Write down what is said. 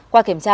qua kiểm tra